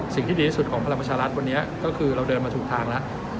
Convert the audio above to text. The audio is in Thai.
สิ่งที่ดีที่สุดของพลังประชารัฐวันนี้ก็คือเราเดินมาถูกทางแล้ว